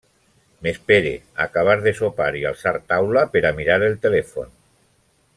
M’espere a acabar de sopar i alçar taula per a mirar el telèfon.